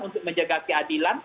untuk menjaga keadilan